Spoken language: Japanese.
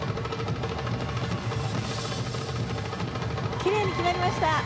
きれいに決まりました！